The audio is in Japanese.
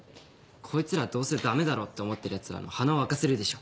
こいつらどうせダメだろって思ってるヤツらの鼻を明かせるでしょ。